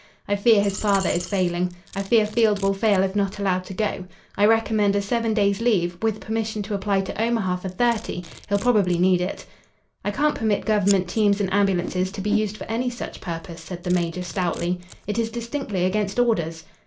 I fear his father is failing. I fear Field will fail if not allowed to go. I recommend a seven days' leave, with permission to apply to Omaha for thirty he'll probably need it." "I can't permit government teams and ambulances to be used for any such purpose," said the major, stoutly. "It is distinctly against orders."